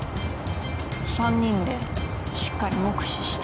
３人でしっかり目視して。